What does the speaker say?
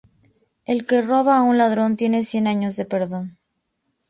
El que roba a un ladrón tiene cien años de perdón